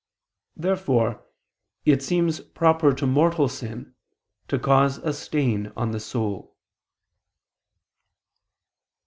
Therefore it seems proper to mortal sin to cause a stain on the soul.